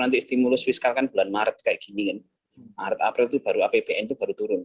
nanti stimulus fiskal kan bulan maret kayak gini kan maret april itu baru apbn itu baru turun